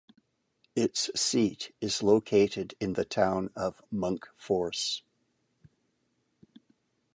Its seat is located in the town of Munkfors.